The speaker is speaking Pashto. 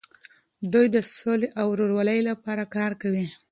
دوی د سولې او ورورولۍ لپاره کار کوي.